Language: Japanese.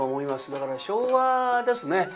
だから昭和ですね。